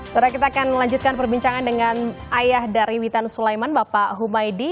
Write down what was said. setelah kita akan lanjutkan perbincangan dengan ayah dari witan sulaiman bapak humaydi